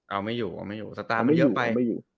เอาไม่อยู่สตาร์มไม่เยอะไป